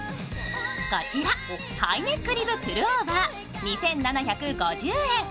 こちら、ハイネックリブプルオーバー２７５０円。